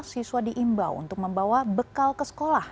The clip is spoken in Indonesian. siswa diimbau untuk membawa bekal ke sekolah